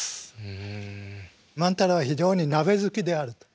万太郎は非常に鍋好きであると。